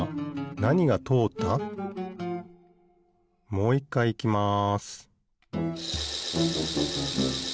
もういっかいいきます